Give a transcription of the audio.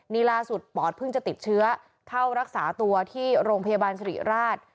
นี่ล่าสุดปอดเพิ่งจะติดเชื้อเข้ารักษาตัวที่โรงพยาบาลสิริราช